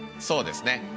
そうですね。